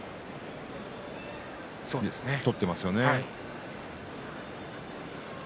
取っていますよね。